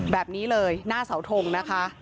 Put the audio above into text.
แบบนี้เลยหน้าเสาทงนะคะ